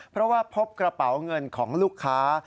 เพราะว่าพบกระเป๋าเงินของลูกค้า